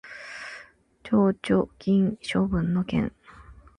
剰余金処分の件